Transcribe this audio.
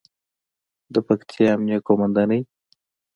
د پکتیا امنیې قوماندانۍ